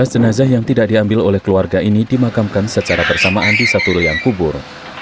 dua belas jenazah yang tidak diambil oleh keluarga ini dimakamkan secara bersamaan di satu loyang kubur